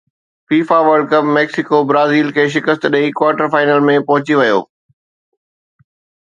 FIFA world cup Mexico Brazil کي شڪست ڏئي ڪوارٽر فائنل ۾ پهچي ويو